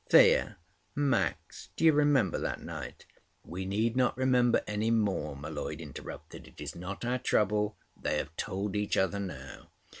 Thea, Max, do you remember that night?" "We need not remember any more," M'Leod interrupted. "It is not our trouble. They have told each other now."